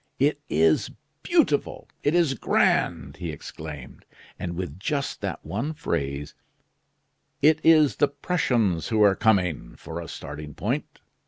"It is beautiful! it is grand!" he exclaimed. "And with just that one phrase: 'It is the Prussians who are coming,' for a starting point!